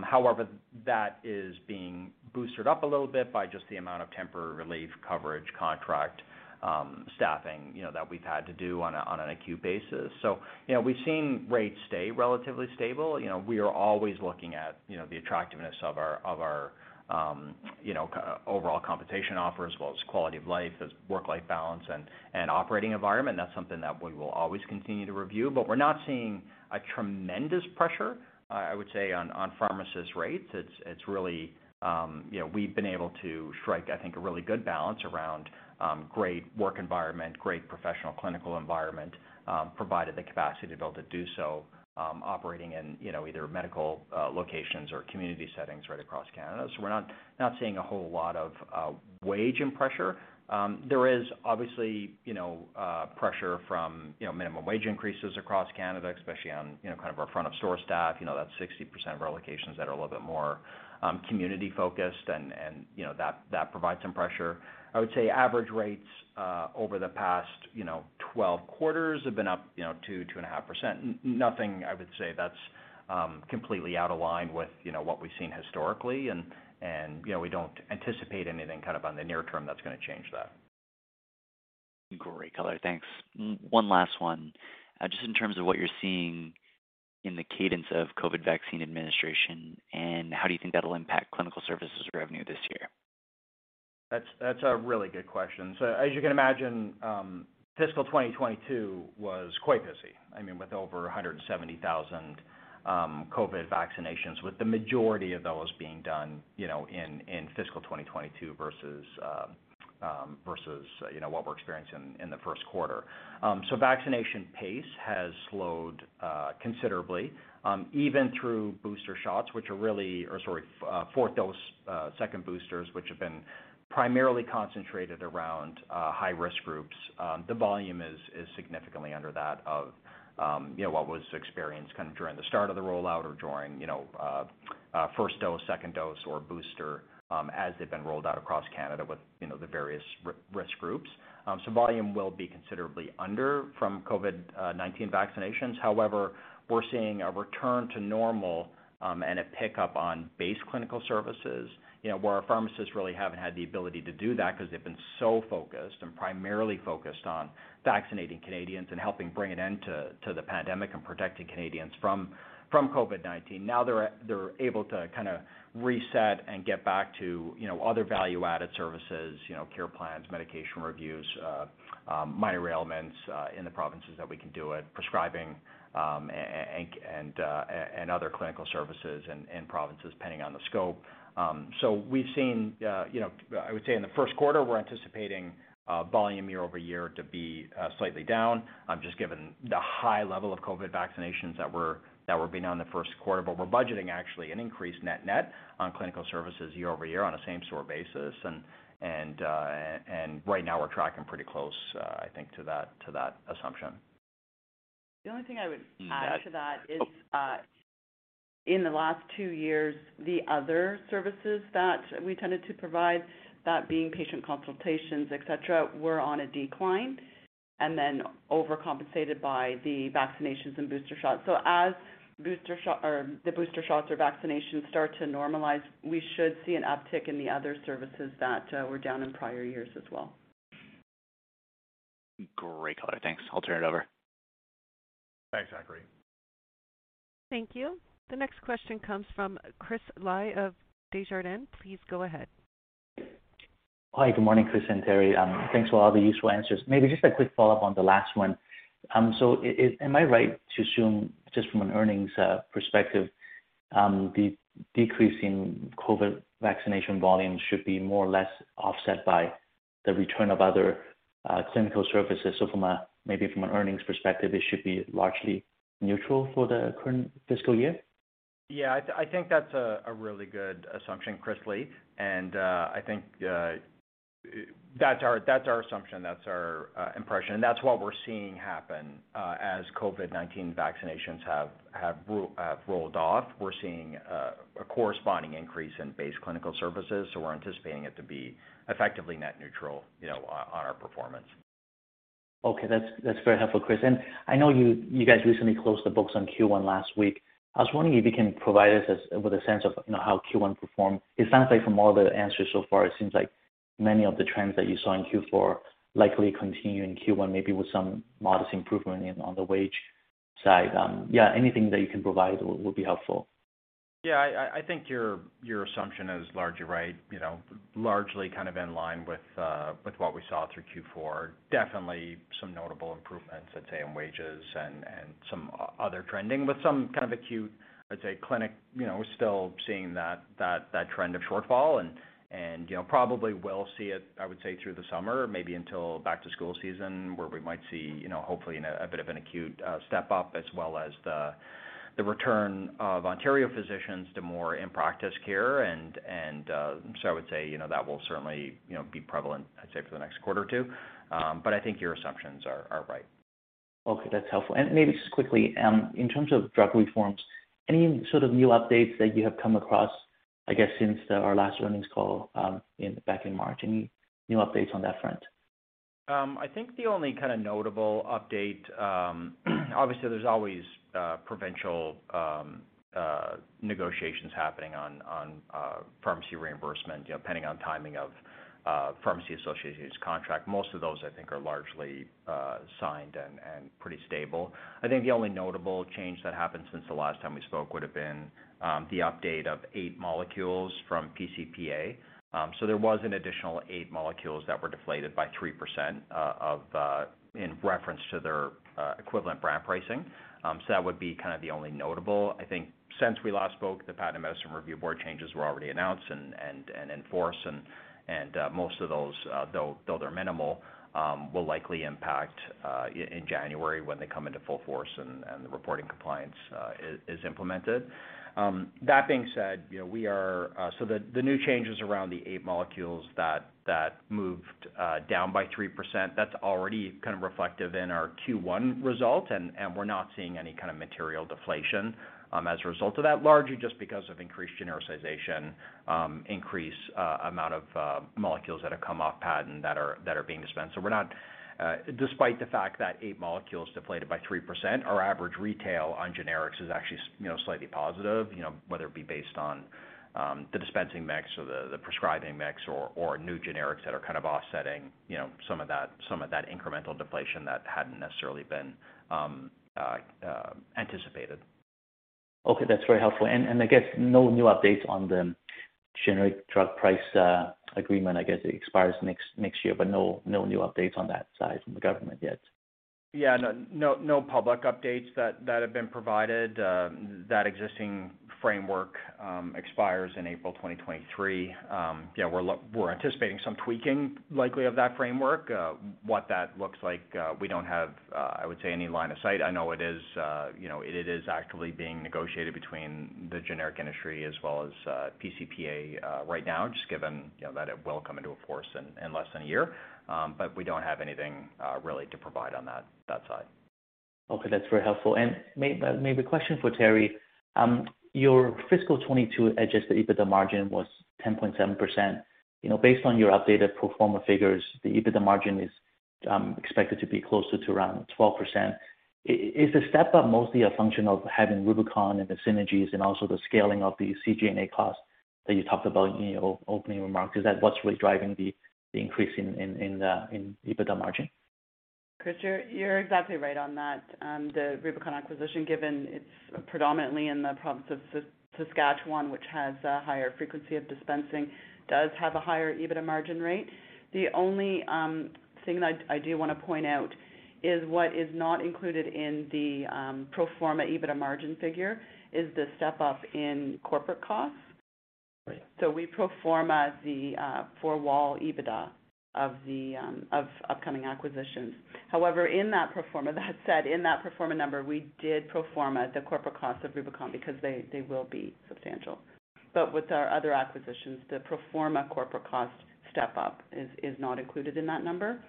However, that is being boosted up a little bit by just the amount of temporary relief coverage, contract staffing, you know, that we've had to do on an acute basis. You know, we've seen rates stay relatively stable. You know, we are always looking at the attractiveness of our overall compensation offer, as well as quality of life, work-life balance and operating environment. That's something that we will always continue to review. We're not seeing a tremendous pressure, I would say on pharmacist rates. It's really, you know, we've been able to strike, I think, a really good balance around great work environment, great professional clinical environment, provided the capacity to be able to do so, operating in, you know, either medical locations or community settings right across Canada. We're not seeing a whole lot of wage inflation pressure. There is obviously, you know, pressure from, you know, minimum wage increases across Canada, especially on, you know, kind of our front of store staff, you know, that's 60% of our locations that are a little bit more community-focused and, you know, that provides some pressure. I would say average rates over the past, you know, 12 quarters have been up, you know, 2.5%. Nothing I would say that's completely out of line with, you know, what we've seen historically, and you know, we don't anticipate anything kind of on the near term that's gonna change that. Great color. Thanks. One last one. Just in terms of what you're seeing in the cadence of COVID vaccine administration, and how do you think that'll impact clinical services revenue this year? That's a really good question. As you can imagine, fiscal 2022 was quite busy. I mean, with over 170,000 COVID vaccinations, with the majority of those being done, you know, in fiscal 2022 versus what we're experiencing in the first quarter. Vaccination pace has slowed considerably, even through booster shots, fourth dose, second boosters, which have been primarily concentrated around high-risk groups. The volume is significantly under that of what was experienced kind of during the start of the rollout or during first dose, second dose or booster, as they've been rolled out across Canada with the various risk groups. Volume will be considerably under from COVID-19 vaccinations. However, we're seeing a return to normal and a pickup on base clinical services, you know, where our pharmacists really haven't had the ability to do that because they've been so focused and primarily focused on vaccinating Canadians and helping bring an end to the pandemic and protecting Canadians from COVID-19. Now they're able to kind of reset and get back to, you know, other value-added services, you know, care plans, medication reviews, minor ailments in the provinces that we can do it, prescribing, and other clinical services in provinces, depending on the scope. We've seen, you know, I would say in the first quarter, we're anticipating volume year-over-year to be slightly down, just given the high level of COVID vaccinations that were being done in the first quarter. We're budgeting, actually, an increased net-net on clinical services year-over-year on a same-store basis. Right now we're tracking pretty close, I think, to that assumption. The only thing I would add to that is, in the last two years, the other services that we tended to provide, that being patient consultations, et cetera, were on a decline and then overcompensated by the vaccinations and booster shots. As the booster shots or vaccinations start to normalize, we should see an uptick in the other services that were down in prior years as well. Great. Color. Thanks. I'll turn it over. Thanks, Zachary. Thank you. The next question comes from Chris Li of Desjardins. Please go ahead. Hi, good morning, Chris and Terri. Thanks for all the useful answers. Maybe just a quick follow-up on the last one. Am I right to assume just from an earnings perspective the decrease in COVID vaccination volumes should be more or less offset by the return of other clinical services? From a, maybe from an earnings perspective, it should be largely neutral for the current fiscal year. Yeah. I think that's a really good assumption, Chris Li. I think that's our assumption, that's our impression, and that's what we're seeing happen as COVID-19 vaccinations have rolled off. We're seeing a corresponding increase in base clinical services, so we're anticipating it to be effectively net neutral, you know, on our performance. Okay. That's very helpful, Chris. I know you guys recently closed the books on Q1 last week. I was wondering if you can provide us with a sense of, you know, how Q1 performed. It sounds like from all the answers so far, it seems like many of the trends that you saw in Q4 likely continue in Q1, maybe with some modest improvement in, on the wage side. Yeah, anything that you can provide will be helpful. Yeah. I think your assumption is largely right, you know, largely kind of in line with what we saw through Q4. Definitely some notable improvements, I'd say, in wages and some other trending with some kind of acute, I'd say, clinic, you know, we're still seeing that trend of shortfall and, you know, probably will see it, I would say, through the summer, maybe until back to school season, where we might see, you know, hopefully in a bit of an acute step-up, as well as the return of Ontario physicians to more in-practice care. I would say, you know, that will certainly, you know, be prevalent, I'd say, for the next quarter or two. I think your assumptions are right. Okay, that's helpful. Maybe just quickly, in terms of drug reforms, any sort of new updates that you have come across, I guess, since our last earnings call, back in March? Any new updates on that front? I think the only kinda notable update, obviously, there's always provincial negotiations happening on pharmacy reimbursement, you know, depending on timing of pharmacy associations contract. Most of those I think are largely signed and pretty stable. I think the only notable change that happened since the last time we spoke would have been the update of eight molecules from pCPA. So there was an additional eight molecules that were deflated by 3% in reference to their equivalent brand pricing. So that would be kind of the only notable. I think since we last spoke, the Patented Medicine Prices Review Board changes were already announced and enforced. Most of those, though they're minimal, will likely impact in January when they come into full force and the reporting compliance is implemented. That being said, you know, we are. The new changes around the eight molecules that moved down by 3%, that's already kind of reflective in our Q1 result, and we're not seeing any kind of material deflation as a result of that, largely just because of increased genericization, increased amount of molecules that have come off patent that are being dispensed. We're not. Despite the fact that 8 molecules deflated by 3%, our average retail on generics is actually you know, slightly positive, you know, whether it be based on the dispensing mix or the prescribing mix or new generics that are kind of offsetting, you know, some of that incremental deflation that hadn't necessarily been anticipated. Okay, that's very helpful. I guess no new updates on the generic drug price agreement. I guess it expires next year, but no new updates on that side from the government yet? Yeah. No public updates that have been provided. That existing framework expires in April 2023. Yeah, we're anticipating some tweaking likely of that framework. What that looks like, we don't have, I would say, any line of sight. I know it is, you know, it is actively being negotiated between the generic industry as well as pCPA right now, just given, you know, that it will come into force in less than a year. But we don't have anything really to provide on that side. Okay, that's very helpful. Maybe a question for Terri. Your fiscal 2022 adjusted EBITDA margin was 10.7%. You know, based on your updated pro forma figures, the EBITDA margin is expected to be closer to around 12%. Is the step-up mostly a function of having Rubicon and the synergies and also the scaling of the CG&A costs that you talked about in your opening remarks? Is that what's really driving the increase in EBITDA margin? Chris, you're exactly right on that. The Rubicon acquisition, given it's predominantly in the province of Saskatchewan, which has a higher frequency of dispensing, does have a higher EBITDA margin rate. The only thing that I do wanna point out is what is not included in the pro forma EBITDA margin figure is the step-up in corporate costs. Right. We pro forma the four-wall EBITDA of the upcoming acquisitions. However, in that pro forma, that said, in that pro forma number, we did pro forma the corporate cost of Rubicon because they will be substantial. With our other acquisitions, the pro forma corporate cost step up is not included in that number.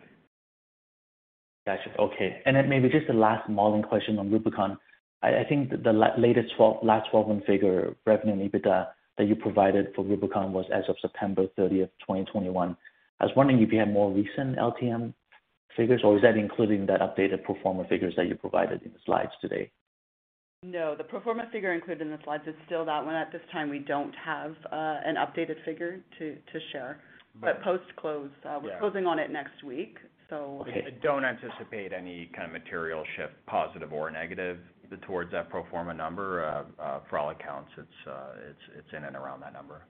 Gotcha. Okay. Maybe just a last modeling question on Rubicon. I think the latest last twelve-month figure revenue EBITDA that you provided for Rubicon was as of September 30, 2021. I was wondering if you had more recent LTM figures, or is that including that updated pro forma figures that you provided in the slides today? No, the pro forma figure included in the slides is still that one. At this time, we don't have an updated figure to share. Right. Post-close. Yeah. We're closing on it next week. Don't anticipate any kind of material shift, positive or negative, towards that pro forma number. For all accounts, it's in and around that number.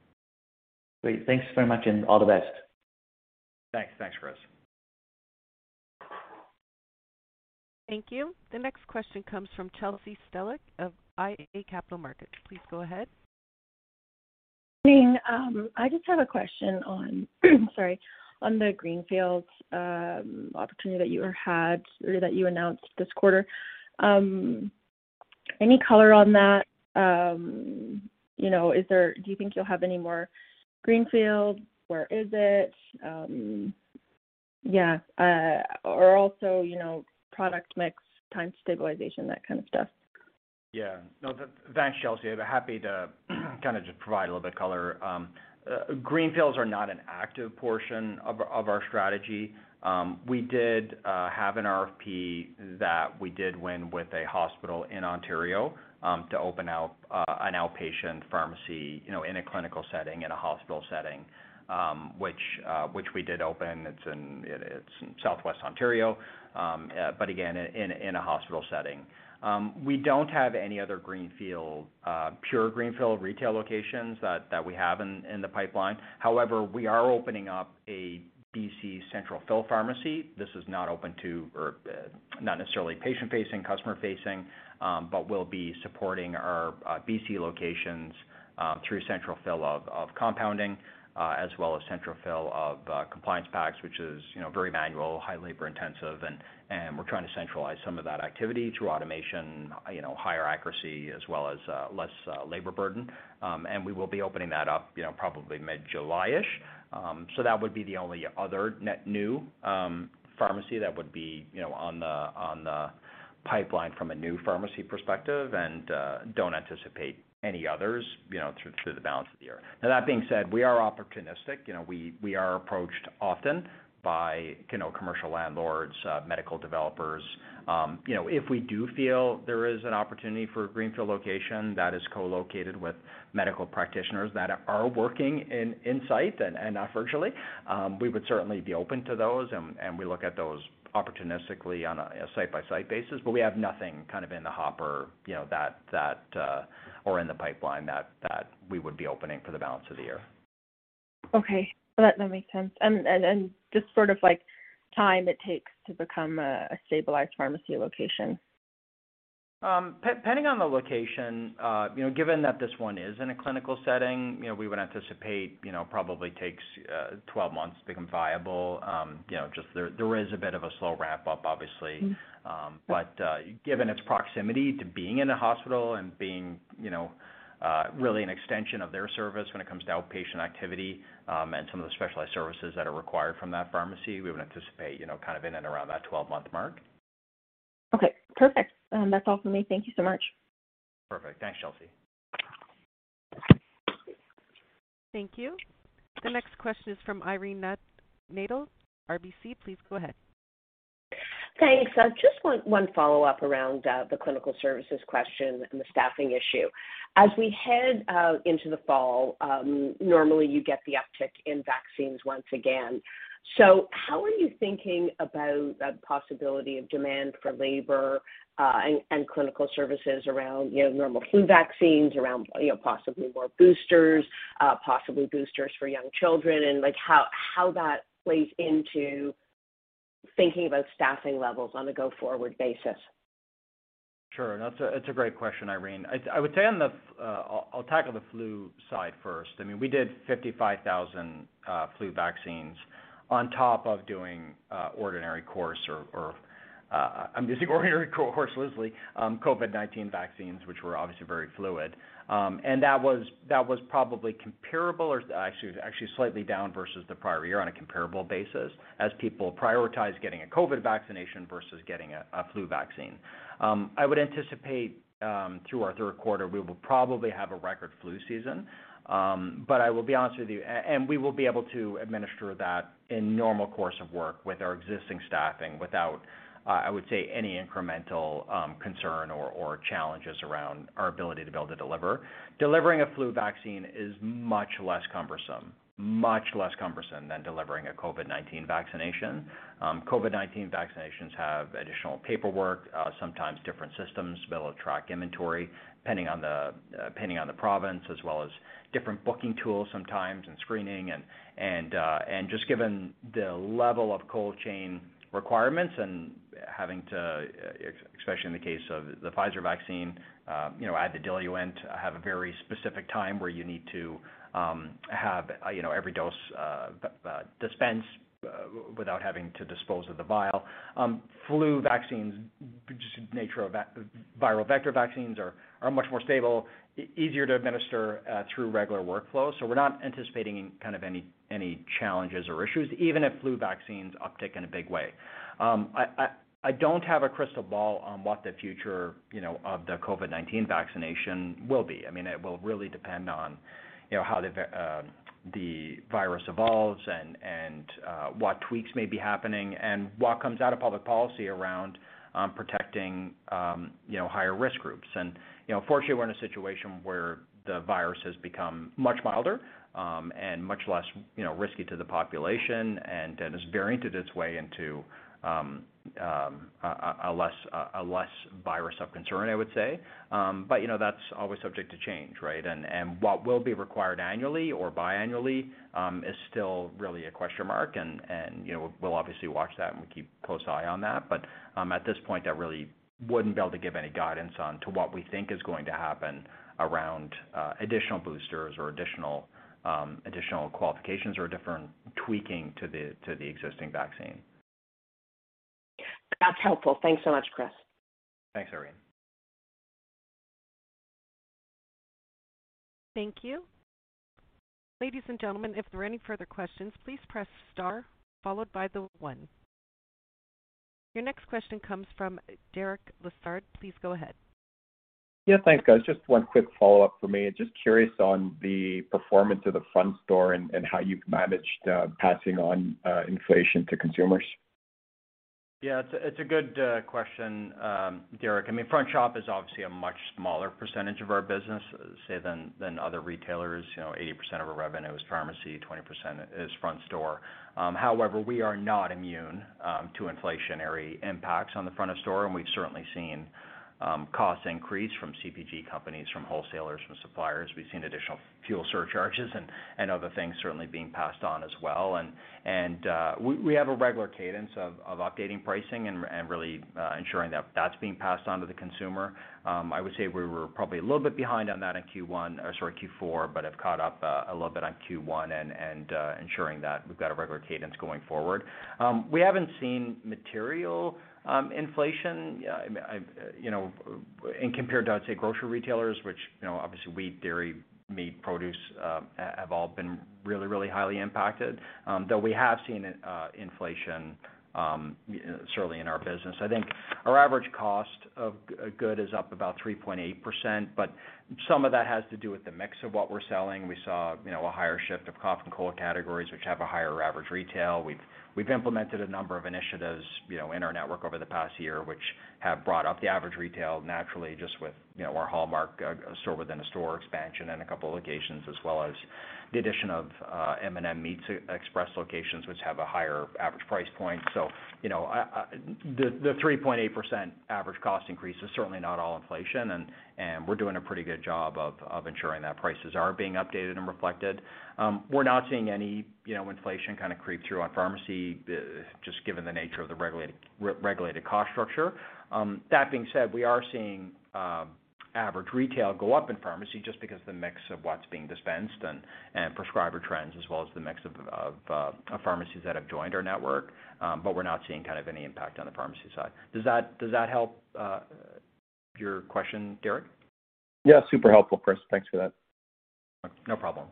Great. Thanks very much, and all the best. Thanks. Thanks, Chris. Thank you. The next question comes from Chelsea Stehlik of iA Capital Markets. Please go ahead. Good morning. I just have a question on, sorry, on the greenfields opportunity that you had or that you announced this quarter. Any color on that? You know, do you think you'll have any more greenfield? Where is it? Or also, you know, product mix, time to stabilization, that kind of stuff. Yeah. No, thanks, Chelsea. Happy to kind of just provide a little bit of color. Greenfields are not an active portion of our strategy. We did have an RFP that we did win with a hospital in Ontario to open an outpatient pharmacy, you know, in a clinical setting, in a hospital setting, which we did open. It's in Southwest Ontario, but again, in a hospital setting. We don't have any other pure greenfield retail locations that we have in the pipeline. However, we are opening up a BC central fill pharmacy. This is not open to or not necessarily patient-facing, customer-facing, but will be supporting our BC locations through central fill of compounding as well as central fill of compliance packs, which is, you know, very manual, high labor intensive. We're trying to centralize some of that activity through automation, you know, higher accuracy as well as less labor burden. We will be opening that up, you know, probably mid-July-ish. That would be the only other net new pharmacy that would be, you know, on the pipeline from a new pharmacy perspective and don't anticipate any others, you know, through the balance of the year. Now that being said, we are opportunistic. You know, we are approached often by, you know, commercial landlords, medical developers. You know, if we do feel there is an opportunity for a greenfield location that is co-located with medical practitioners that are working in sight and not virtually, we would certainly be open to those, and we look at those opportunistically on a site-by-site basis. We have nothing kind of in the hopper, you know, that or in the pipeline that we would be opening for the balance of the year. Okay. That makes sense. Just sort of like time it takes to become a stabilized pharmacy location. Depending on the location, you know, given that this one is in a clinical setting, you know, we would anticipate, you know, probably takes 12 months to become viable. You know, just there is a bit of a slow wrap-up obviously. Mm-hmm. Given its proximity to being in a hospital and being, you know, really an extension of their service when it comes to outpatient activity, and some of the specialized services that are required from that pharmacy, we would anticipate, you know, kind of in and around that 12-month mark. Okay. Perfect. That's all for me. Thank you so much. Perfect. Thanks, Chelsea. Thank you. The next question is from Irene Nattel, RBC. Please go ahead. Thanks. Just one follow-up around the clinical services question and the staffing issue. As we head into the fall, normally you get the uptick in vaccines once again. How are you thinking about the possibility of demand for labor and clinical services around, you know, normal flu vaccines, around, you know, possibly more boosters, possibly boosters for young children, and like how that plays into thinking about staffing levels on a go-forward basis? Sure. That's a great question, Irene. I'll tackle the flu side first. I mean, we did 55,000 flu vaccines on top of doing ordinary course, which I'm doing ordinary course loosely. COVID-19 vaccines, which were obviously very fluid. That was probably comparable or actually slightly down versus the prior year on a comparable basis as people prioritized getting a COVID vaccination versus getting a flu vaccine. I would anticipate through our third quarter, we will probably have a record flu season. But I will be honest with you. We will be able to administer that in normal course of work with our existing staffing without I would say any incremental concern or challenges around our ability to be able to deliver. Delivering a flu vaccine is much less cumbersome. Much less cumbersome than delivering a COVID-19 vaccination. COVID-19 vaccinations have additional paperwork, sometimes different systems, bill and track inventory, depending on the province, as well as different booking tools sometimes and screening and just given the level of cold chain requirements and having to, especially in the case of the Pfizer vaccine, you know, add the diluent, have a very specific time where you need to, you know, have every dose dispensed without having to dispose of the vial. Flu vaccines, just the nature of viral vector vaccines are much more stable, easier to administer through regular workflow. We're not anticipating any challenges or issues, even if flu vaccines uptick in a big way. I don't have a crystal ball on what the future, you know, of the COVID-19 vaccination will be. I mean, it will really depend on, you know, how the virus evolves and what tweaks may be happening and what comes out of public policy around protecting, you know, higher risk groups. You know, fortunately, we're in a situation where the virus has become much milder and much less, you know, risky to the population and has varianted its way into a less virus of concern, I would say. You know, that's always subject to change, right? You know, we'll obviously watch that and keep close eye on that. At this point, I really wouldn't be able to give any guidance on to what we think is going to happen around additional boosters or additional qualifications or different tweaking to the existing vaccine. That's helpful. Thanks so much, Chris. Thanks, Irene. Thank you. Ladies and gentlemen, if there are any further questions, please press star followed by the one. Your next question comes from Derek Lessard. Please go ahead. Yeah, thanks, guys. Just one quick follow-up for me. Just curious on the performance of the front store and how you've managed passing on inflation to consumers. Yeah, it's a good question, Derek. I mean, front shop is obviously a much smaller percentage of our business, say, than other retailers. You know, 80% of our revenue is pharmacy, 20% is front store. However, we are not immune to inflationary impacts on the front of store, and we've certainly seen costs increase from CPG companies, from wholesalers, from suppliers. We've seen additional fuel surcharges and we have a regular cadence of updating pricing and really ensuring that that's being passed on to the consumer. I would say we were probably a little bit behind on that in Q1, or sorry, Q4, but have caught up a little bit on Q1 and ensuring that we've got a regular cadence going forward. We haven't seen material inflation, you know, in compared to, I would say, grocery retailers, which, you know, obviously wheat, dairy, meat, produce have all been really highly impacted. Though we have seen inflation certainly in our business. I think our average cost of a good is up about 3.8%, but some of that has to do with the mix of what we're selling. We saw, you know, a higher shift of cough and cold categories, which have a higher average retail. We've implemented a number of initiatives, you know, in our network over the past year, which have brought up the average retail naturally just with, you know, our Hallmark store-within-a-store expansion in a couple locations, as well as the addition of M&M Food Market express locations, which have a higher average price point. You know, the 3.8% average cost increase is certainly not all inflation, and we're doing a pretty good job of ensuring that prices are being updated and reflected. We're not seeing any, you know, inflation kind of creep through on pharmacy, just given the nature of the regulated, re-regulated cost structure. That being said, we are seeing average retail go up in pharmacy just because the mix of what's being dispensed and prescriber trends as well as the mix of pharmacies that have joined our network. We're not seeing kind of any impact on the pharmacy side. Does that help your question, Derek? Yeah, super helpful, Chris. Thanks for that. No problem.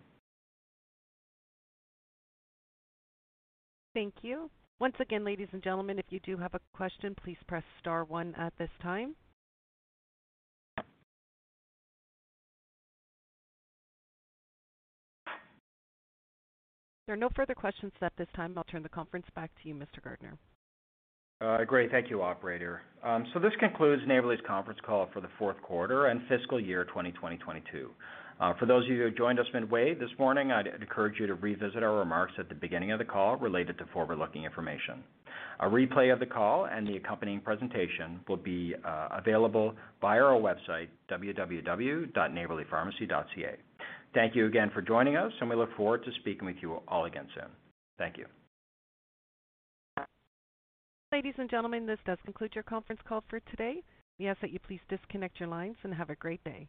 Thank you. Once again, ladies and gentlemen, if you do have a question, please press star one at this time. There are no further questions at this time. I'll turn the conference back to you, Mr. Gardner. Great. Thank you, operator. So this concludes Neighbourly's conference call for the fourth quarter and fiscal year 2022. For those of you who joined us midway this morning, I'd encourage you to revisit our remarks at the beginning of the call related to forward-looking information. A replay of the call and the accompanying presentation will be available via our website, www.neighbourlypharmacy.ca. Thank you again for joining us, and we look forward to speaking with you all again soon. Thank you. Ladies and gentlemen, this does conclude your conference call for today. We ask that you please disconnect your lines and have a great day.